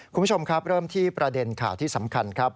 คุณผู้ชมครับเริ่มที่ประเด็นข่าวที่สำคัญครับ